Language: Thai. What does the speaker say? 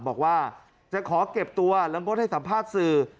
บอกว่าจะขอเก็บตัวแล้วงดให้สัมภาษณ์สื่อ